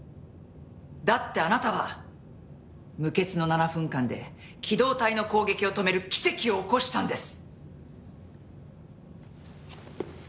だってあなたは無血の７分間で機動隊の攻撃を止める奇跡を起こしたんです！